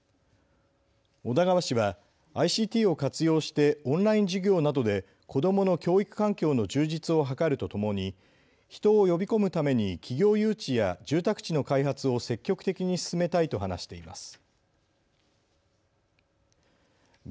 小田川氏はＩＣＴを活用してオンライン授業などで子どもの教育環境の充実を図るとともに人を呼び込むために企業誘致や住宅地の開発を積極的に進めたいと話しています。